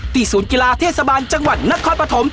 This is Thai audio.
ศูนย์กีฬาเทศบาลจังหวัดนครปฐม